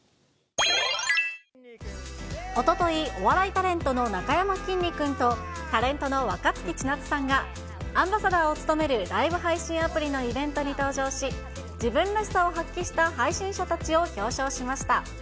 おととい、お笑いタレントのなかやまきんに君と、タレントの若槻千夏さんが、アンバサダーを務めるライブ配信アプリのイベントに登場し、自分らしさを発揮した配信者たちを表彰しました。